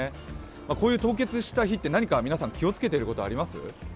こういう凍結した日って何か気をつけてることあります？